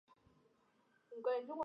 外界对于朴英赞的事迹不多。